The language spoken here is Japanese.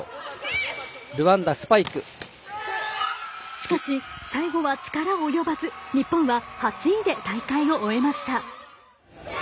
しかし最後は力及ばず日本は８位で大会を終えました。